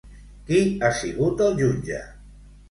Qui ha sigut el jutge?